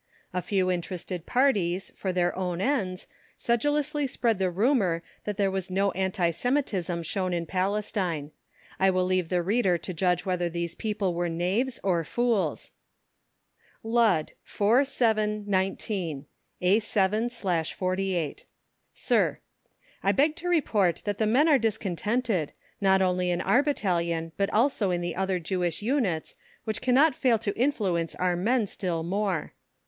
A few interested parties, for their own ends, sedulously spread the rumour that there was no anti Semitism shown in Palestine. I will leave the reader to judge whether these people were knaves or fools: LUDD, 4 7 19, A7/48. SIR, I beg to report that the men are discontented, not only in our battalion, but also in the other Jewish units, which cannot fail to influence our men still more.